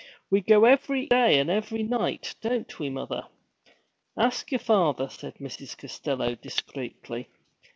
'We go every day and every night, don't we, mother?' 'Ask your father,' said Mrs. Costello discreetly.